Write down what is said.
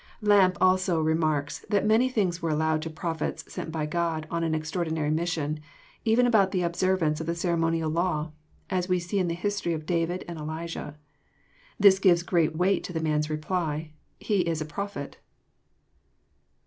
Lampe also remarks that many things were allowed to prophets sent by God on an extraordinary mission, even about the observ ance of the ceremonial law, as we see In the history of David and Elijah. This gives great weight to the man's reply, " He is a Prophet."